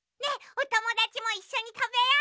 おともだちもいっしょにたべよう！